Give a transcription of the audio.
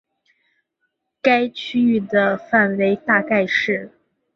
该区域的范围大约是。